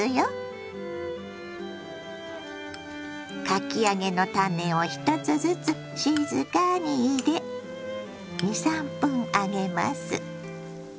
かき揚げのタネを１つずつ静かに入れ２３分揚げます。